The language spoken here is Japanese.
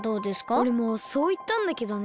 おれもそういったんだけどね。